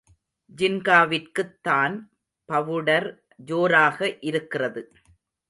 ஜின்காவிற்குத்தான் powder ஜோராக இருக்கிறது.